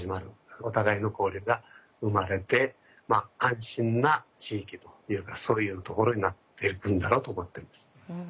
お互いの交流が生まれて安心な地域というかそういうところになっていくんだろうと思ってます。